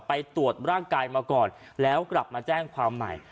ไปตรวจร่างกายมาก่อนแล้วกลับมาแจ้งความใหม่